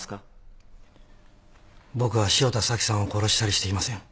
僕は汐田早紀さんを殺したりしていません。